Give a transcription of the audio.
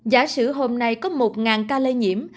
giả sử hôm nay có một ca lây nhiễm